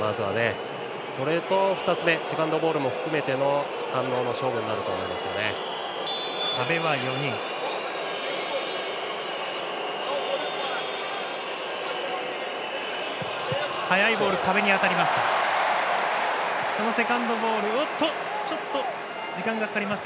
それと２つ目セカンドボールを含めての反応の勝負になると思います。